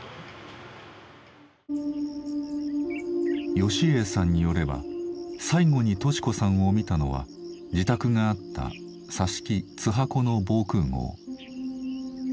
芳英さんによれば最後に敏子さんを見たのは自宅があった佐敷津波古の防空壕。